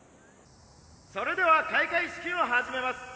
「それでは開会式を始めます！